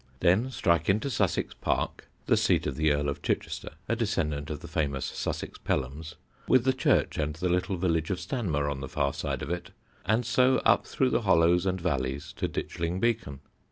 Then strike into Stanmer Park, the seat of the Earl of Chichester, a descendant of the famous Sussex Pelhams, with the church and the little village of Stanmer on the far edge of it, and so up through the hollows and valleys to Ditchling Beacon.